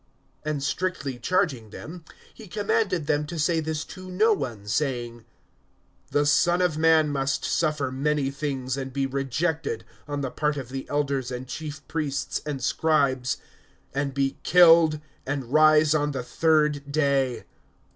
(21)And strictly charging them, he commanded them to say this to no one; (22)saying: The Son of man must suffer many things, and be rejected on the part of the elders and chief priests and scribes, and be killed, and rise on the third day.